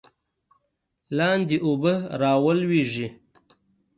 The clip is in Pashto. لاندې به را ولویږې.